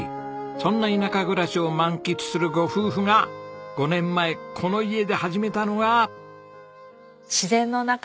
そんな田舎暮らしを満喫するご夫婦が５年前この家で始めたのが。